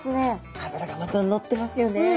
脂がまたのってますよね。